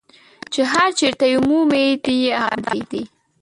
چې هر چېرته یې مومي دی یې حقدار دی.